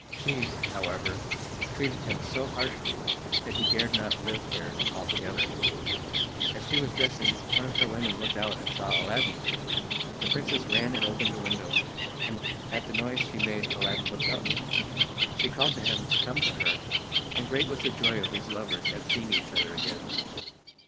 She, however, treated him so harshly that he dared not live there altogether. As she was dressing, one of her women looked out and saw Aladdin. The princess ran and opened the window, and at the noise she made Aladdin looked up. She called to him to come to her, and great was the joy of these lovers at seeing each other again.